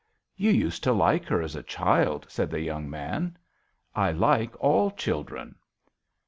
" You used to like her as a child," said the young man. " I like all children."